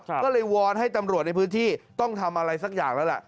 ก็เลยวอนให้ตำรวจในพื้นที่ต้องทำอะไรสักอย่างแล้วล่ะ